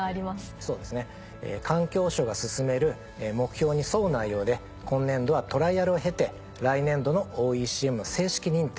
そうですね環境省がすすめる目標に沿う内容で今年度はトライアルを経て来年度のＯＥＣＭの正式認定